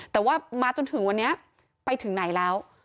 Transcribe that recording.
แต่ว่ามาจนถึงวันนี้ไปถึงไหนแล้ว